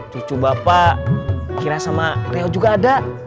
cucu bapak kira sama reo juga ada